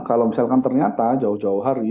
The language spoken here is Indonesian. kalau misalkan ternyata jauh jauh hari